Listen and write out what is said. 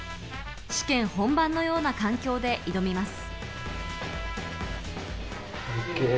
試験本番のような環境で挑みます。